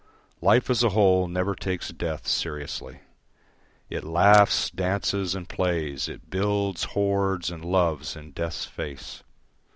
Life as a whole never takes death seriously. It laughs, dances and plays, it builds, hoards and loves in death's face.